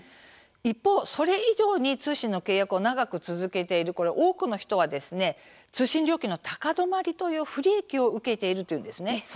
一方、それ以上に通信の契約を長く続けている多くの人は通信料金の高止まりという不利益を受けているというんです。